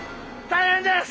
大変です！